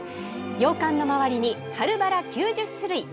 洋館の周りに春バラ９０種類。